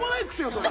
それ。